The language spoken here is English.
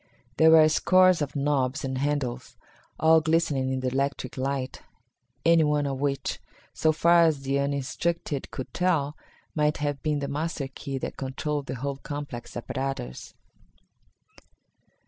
There were scores of knobs and handles, all glistening in the electric light, any one of which, so far as the uninstructed could tell, might have been the master key that controlled the whole complex apparatus.